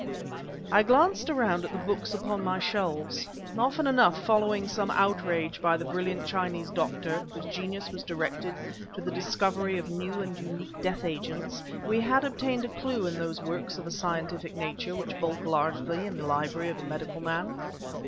I glanced around at the books upon my shelves. Often enough, following some outrage by the brilliant Chinese doctor whose genius was directed to the discovery of new and unique death agents, we had obtained a clue in those works of a scientific nature which bulk largely in the library of a medical man.